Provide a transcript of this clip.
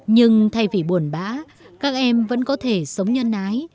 nhưng thay vì buồn bã các em vẫn có thể sống nhân ái